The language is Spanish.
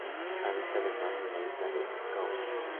Habita además en la isla de Gough.